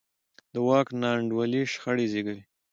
د واک ناانډولي شخړې زېږوي